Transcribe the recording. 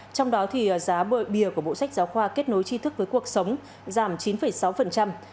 trong đó giá biểu của bộ sách giáo khoa kết nối chi thức với cuộc sống giảm chín sáu